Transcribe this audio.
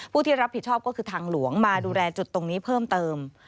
ที่รับผิดชอบก็คือทางหลวงมาดูแลจุดตรงนี้เพิ่มเติม